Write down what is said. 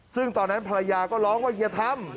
ซึ่งตอนนั้นภรรยาก็ร้องว่าอย่าทำ